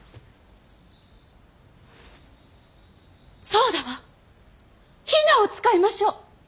そうだわ比奈を使いましょう。